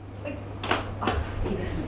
あいいですね。